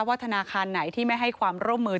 ธนาคารไหนที่ไม่ให้ความร่วมมือ